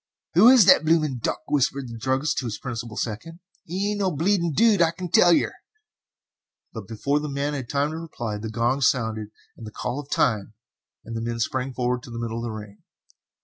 "Who is the blooming duck?" whispered the druggist to his principal second. "'E ain't no bleeding dude, I can tell yer." But before the man had time to reply, the gong sounded the call of "time," and the men sprang forward to the middle of the ring.